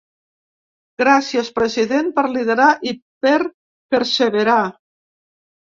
Gràcies, president, per liderar i per perseverar.